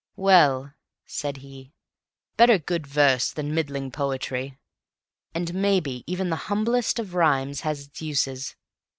"Well," said he, "better good verse than middling poetry. And maybe even the humblest of rhymes has its uses.